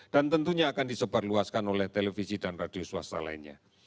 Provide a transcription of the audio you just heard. dan tentunya akan disebarluaskan oleh televisi dan radio swasta lainnya